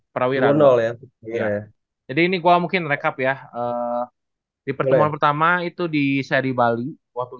dua ribu dua puluh perawiran oleh jadi ini gua mungkin rekap ya eh di pertemuan pertama itu di seri bali waktu